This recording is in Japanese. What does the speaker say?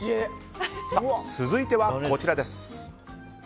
続いてはこちらです。